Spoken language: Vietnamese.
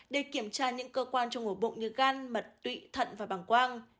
để kiểm tra những cơ quan trong ổ bụng như gan mật tụy thận và bằng quang